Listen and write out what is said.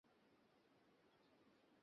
তাড়াতাড়ি আবার কথা হবে, হ্যাঁ?